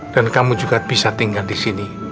dan kamu juga bisa tinggal disini